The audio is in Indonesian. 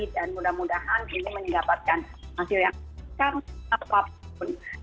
dan mudah mudahan ini mendapatkan hasil yang sangat apapun